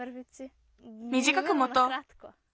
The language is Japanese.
みじかくもとう。